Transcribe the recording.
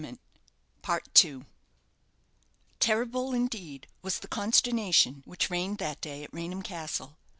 Terrible indeed was the consternation, which reigned that day at Raynham Castle.